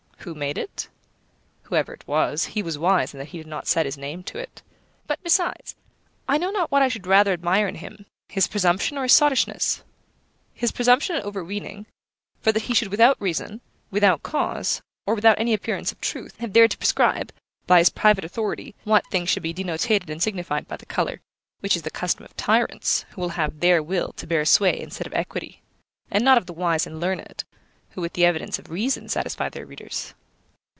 Who made it? Whoever it was, he was wise in that he did not set his name to it. But, besides, I know not what I should rather admire in him, his presumption or his sottishness. His presumption and overweening, for that he should without reason, without cause, or without any appearance of truth, have dared to prescribe, by his private authority, what things should be denotated and signified by the colour: which is the custom of tyrants, who will have their will to bear sway in stead of equity, and not of the wise and learned, who with the evidence of reason satisfy their readers.